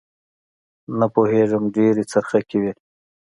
نه پوېېږم ډېرې څرخکې وې.